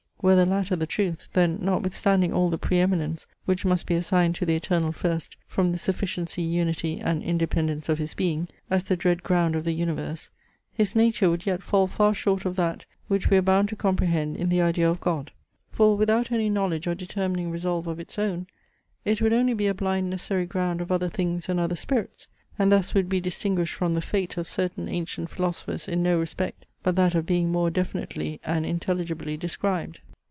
Were the latter the truth, then notwithstanding all the pre eminence which must be assigned to the Eternal First from the sufficiency, unity, and independence of his being, as the dread ground of the universe, his nature would yet fall far short of that, which we are bound to comprehend in the idea of GOD. For, without any knowledge or determining resolve of its own, it would only be a blind necessary ground of other things and other spirits; and thus would be distinguished from the FATE of certain ancient philosophers in no respect, but that of being more definitely and intelligibly described."